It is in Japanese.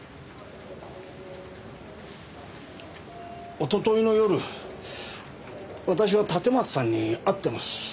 おとといの夜私は立松さんに会ってます。